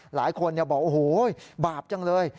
หลายคนบอกโอ้โหบาปจังเลย